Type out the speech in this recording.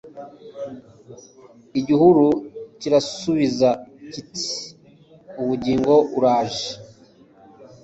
Igihuru kirasubiza kiti Ubugingo uraje